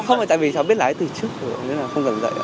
không là tại vì cháu biết lái từ trước rồi nên là không cần dạy ạ